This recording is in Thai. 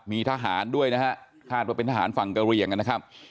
มีทหารด้วยนะฮะคาดว่าเป็นทหารฝั่งกะเรียงนะครับ